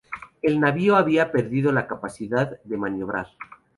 El navío había perdido la capacidad de maniobrar.